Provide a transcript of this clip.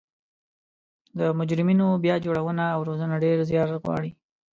د مجرمینو بیا جوړونه او روزنه ډیر ځیار غواړي